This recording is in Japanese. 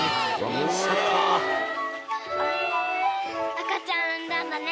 赤ちゃん産んだんだね。